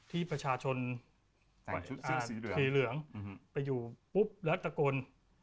ที่ประชาชนสีเหลืองไปอยู่ปุ๊บแล้วตะกน